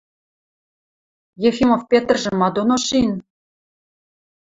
Ефимов Петржӹ ма доно шин?